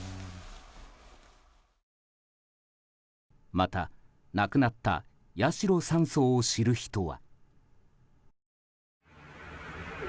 また、亡くなった八代３曹を知る人は。